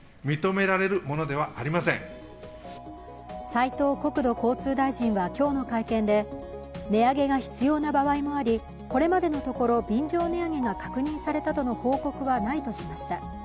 斉藤国土交通大臣は今日の会見で値上げが必要な場合もありこれまでのところ便乗値上げが確認されたとの報告はないとしました。